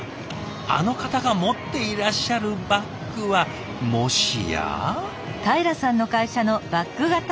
あの方が持っていらっしゃるバッグはもしや？